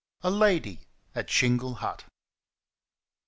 A Lady at Shingle Hut.